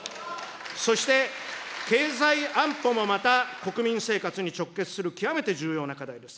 そして、経済安保もまた、国民生活に直結する極めて重要な課題です。